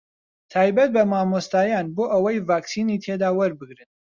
تایبەت بە مامۆستایان بۆ ئەوەی ڤاکسینی تێدا وەربگرن